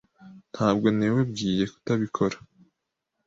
Ntabwo nawebwiye kutabikora.